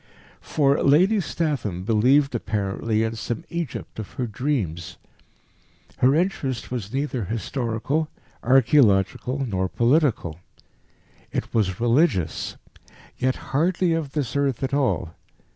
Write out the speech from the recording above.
For Lady Statham believed apparently in some Egypt of her dreams. Her interest was neither historical, archaeological, nor political. It was religious yet hardly of this earth at all.